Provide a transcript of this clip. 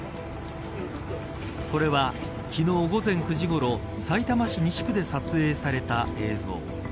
これは、昨日午前９時ごろさいたま市西区で撮影された映像。